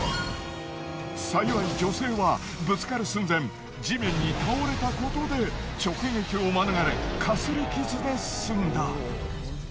幸い女性はぶつかる寸前地面に倒れたことで直撃を免れかすり傷で済んだ。